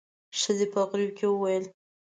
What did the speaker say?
ښځې په غريو کې وويل.